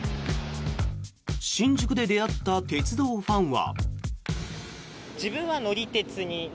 新宿で出会った鉄道ファンは。